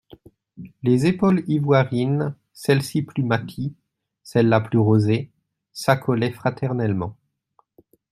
Les épaules ivoirines, celles-ci plus maties, celles-là plus rosées, s'accolaient fraternellement.